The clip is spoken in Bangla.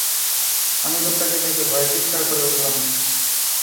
আমি লোকটাকে দেখে ভয়ে চিৎকার করে উঠলাম।